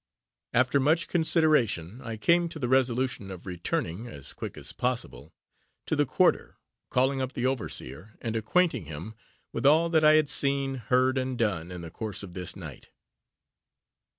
After much consideration, I came to the resolution of returning, as quick as possible, to the quarter calling up the overseer and acquainting him with all that I had seen, heard, and done, in the course of this night.